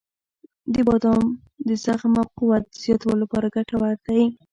• بادام د زغم او قوت د زیاتولو لپاره ګټور دی.